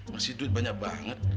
masih duit banyak banget